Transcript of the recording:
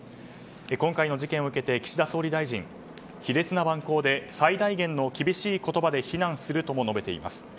今回の事件を受けて岸田総理大臣卑劣な蛮行で最大限の厳しい言葉で非難するとも述べています。